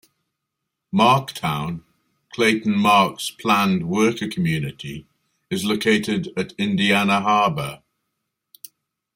Marktown, Clayton Mark's planned worker community, is located at Indiana Harbor.